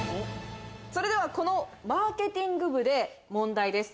それでは、このマーケティング部で問題です。